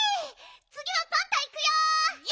つぎはパンタいくよ！